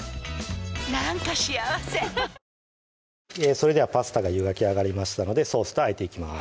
それではパスタが湯がきあがりましたのでソースとあえていきます